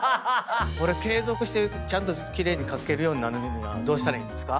これ継続してちゃんと奇麗に書けるようになるにはどうしたらいいんですか？